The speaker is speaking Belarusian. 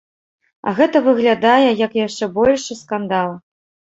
А гэта выглядае, як яшчэ большы скандал.